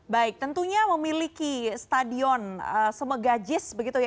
baik tentunya memiliki stadion semegajis begitu ya